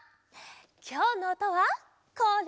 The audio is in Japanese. きょうのおとはこれ。